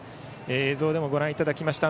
映像でもご覧いただきました